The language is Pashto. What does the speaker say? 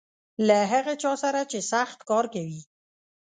له هغه چا سره چې سخت کار کوي .